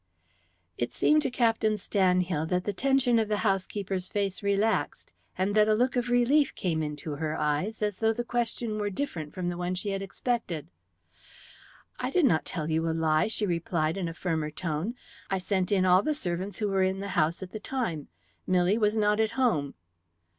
It seemed to Captain Stanhill that the tension of the housekeeper's face relaxed, and that a look of relief came into her eyes, as though the question were different from the one she had expected. "I did not tell you a lie," she replied, in a firmer tone. "I sent in all the servants who were in the house at the time. Milly was not at home."